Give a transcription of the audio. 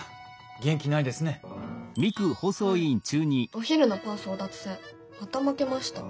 お昼のパン争奪戦また負けました。